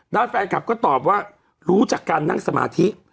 ด้านแฟนคลับก็ตอบว่ารู้จากการนั่งสมาธิ